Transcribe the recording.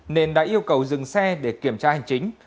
nên đã yêu cầu dừng xe để kiểm tra hành chính